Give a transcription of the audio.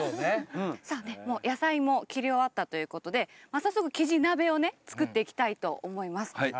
さあねもう野菜も切り終わったということで早速キジ鍋をね作っていきたいと思います。